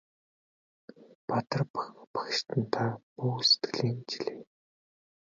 Баатар багштан та бүү сэтгэлээ чилээ!